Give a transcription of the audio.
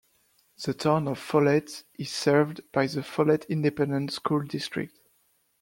The Town of Follett is served by the Follett Independent School District.